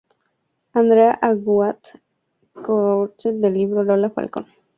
Andrea Aguad coautora del libro "Lola Falcón.